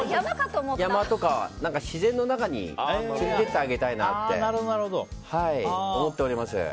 自然の中に連れていってあげたいなって思っております。